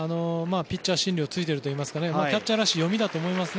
ピッチャー心理を突いているといいますかキャッチャーらしい読みだと思います。